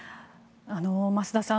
増田さん